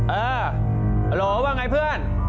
เออโหลว่าไงเพื่อน